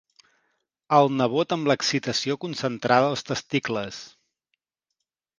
El nebot amb l'excitació concentrada als testicles.